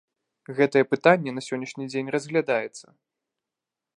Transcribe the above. Гэтае пытанне на сённяшні дзень разглядаецца.